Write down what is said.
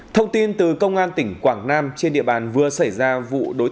thông tin từ công an tỉnh quảng nam trên địa bàn vừa xảy ra vụ đối tượng